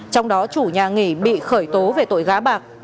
trong đó chủ nhà nghỉ bị khởi tố về tội gá bạc